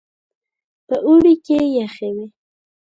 په اوړي کې يخې وې.